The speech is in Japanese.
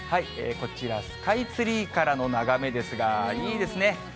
こちらスカイツリーからの眺めですが、いいですね。